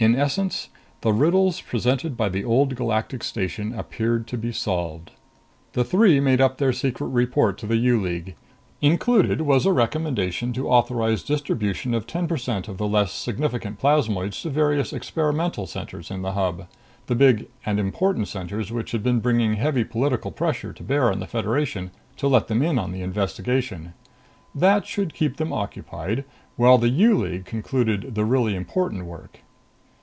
In essence, the riddles presented by the Old Galactic Station appeared to be solved. The three made up their secret report to the U League. Included was a recommendation to authorize distribution of ten per cent of the less significant plasmoids to various experimental centers in the Hub the big and important centers which had been bringing heavy political pressure to bear on the Federation to let them in on the investigation. That should keep them occupied, while the U League concluded the really important work.